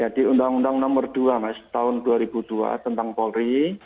di undang undang nomor dua